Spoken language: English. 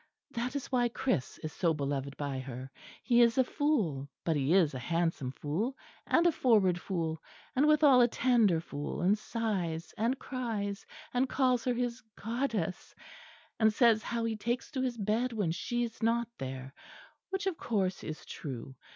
That is why Chris is so beloved by her. He is a fool, but he is a handsome fool, and a forward fool, and withal a tender fool; and sighs and cries, and calls her his Goddess; and says how he takes to his bed when she is not there, which of course is true.